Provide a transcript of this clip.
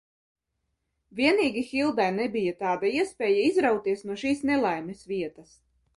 Vienīgi Hildai nebija tāda iespēja izrauties no šīs nelaimes vietas.